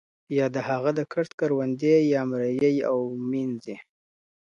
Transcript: یا د هغه د کښت کروندې يا مريي او مينځي